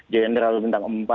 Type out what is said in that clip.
general bintang empat